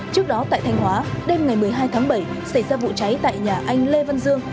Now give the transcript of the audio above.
trước đó tại thanh hóa đêm ngày một mươi hai tháng bảy xảy ra vụ cháy tại nhà anh lê văn dương